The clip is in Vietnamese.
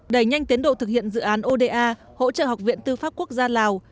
đẩy nhanh tiến độ thực hiện dự án oda hỗ trợ học viện tư pháp quốc gia lào